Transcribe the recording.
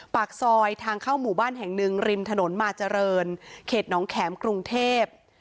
ปากซอยทางเข้าหมู่บ้านแห่งหนึ่งริมถนนมาเจริญเขตน้องแข็มกรุงเทพ